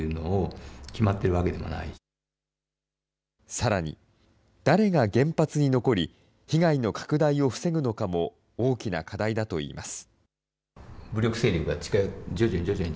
さらに、誰が原発に残り、被害の拡大を防ぐのかも大きな課題だといいます。